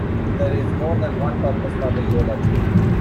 There is more than one purpose for the eulogy.